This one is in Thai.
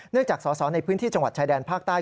จากสอสอในพื้นที่จังหวัดชายแดนภาคใต้